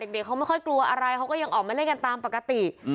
เด็กเขาไม่ค่อยกลัวอะไรเขาก็ยังออกมาเล่นกันตามปกติ